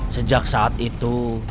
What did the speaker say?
sejak saat itu